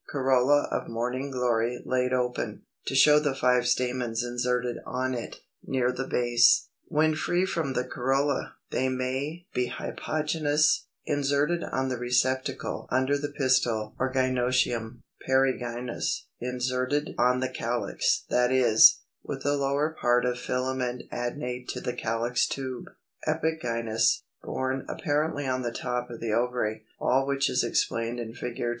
Corolla of Morning Glory laid open, to show the five stamens inserted on it, near the base.] Hypogynous, inserted on the receptacle under the pistil or gynœcium. Perigynous, inserted on the calyx, that is, with the lower part of filament adnate to the calyx tube. Epigynous, borne apparently on the top of the ovary; all which is explained in Fig.